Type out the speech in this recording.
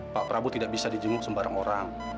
pak prabu tidak bisa di jenguk sembarang orang